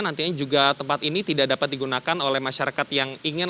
nantinya juga tempat ini tidak dapat digunakan oleh masyarakat yang ingin